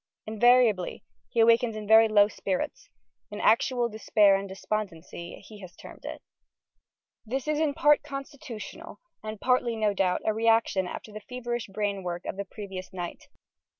Invariably he awakes in very low spirits, "in actual despair and despondency," he has termed it: this is in part constitutional, and partly, no doubt, a reaction after the feverish brain work of the previous night.